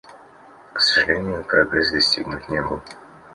К сожалению, прогресс достигнут не был.